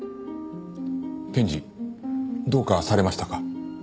検事どうかされましたか？